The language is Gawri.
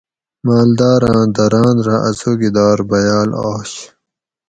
مالداراۤں دراۤن رہ اۤ څوکیدار بیاۤل آش